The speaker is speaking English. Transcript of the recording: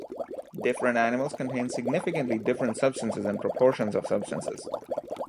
Different animals contain significantly different substances and proportions of substances.